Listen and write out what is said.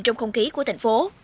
trong không khí của thành phố